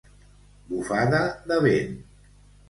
Bufada de vent.